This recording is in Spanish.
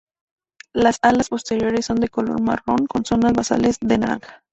Las alas posteriores son de color marrón con zonas basales de naranja.